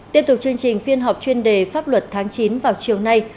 tiếp tục chương trình phiên họp chuyên đề pháp luật tháng chín vào chiều nay